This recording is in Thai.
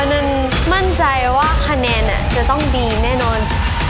นั้นมั่นใจว่าคะแนนจะต้องดีแน่นอน